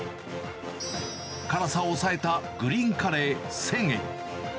辛さを抑えたグリーンカレー１０００円。